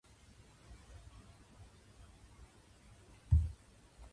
今日はいいことがたくさんありました。